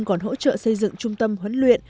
còn hỗ trợ xây dựng trung tâm huấn luyện